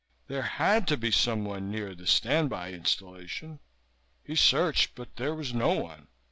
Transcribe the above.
There had to be someone near the standby installation. He searched; but there was no one.